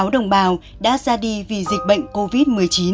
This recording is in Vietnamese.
hai mươi ba bốn trăm bảy mươi sáu đồng bào đã ra đi vì dịch bệnh covid một mươi chín